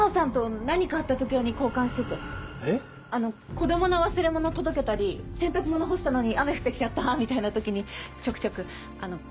子供の忘れ物届けたり洗濯物干したのに雨降って来ちゃったみたいな時にちょくちょくあの。